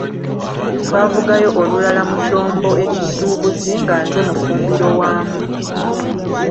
Twavugayo olulala mu kyombo ekisuubuzi nga nze mufumbiro waamu.